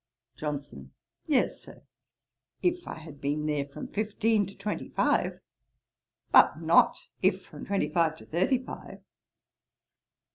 JOHNSON. 'Yes, Sir, if I had been there from fifteen to twenty five; but not if from twenty five to thirty five.'